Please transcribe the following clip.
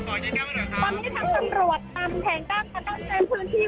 ตอนนี้ทางกำรวดตำแผงกล้างกระทั่งเต็มพื้นที่